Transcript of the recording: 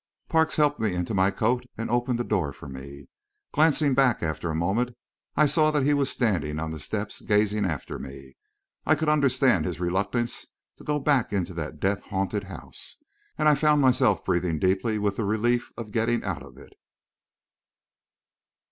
Parks helped me into my coat and opened the door for me. Glancing back, after a moment, I saw that he was standing on the steps gazing after me. I could understand his reluctance to go back into that death haunted house; and I found myself breathing deeply with the relief of getting out of it.